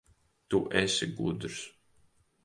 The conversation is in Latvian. Tu esi gudrs.